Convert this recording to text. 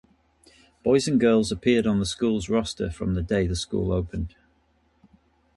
Boys and girls appeared on the school's roster from the day the school opened.